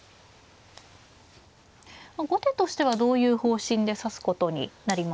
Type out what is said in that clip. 後手としてはどういう方針で指すことになりますか。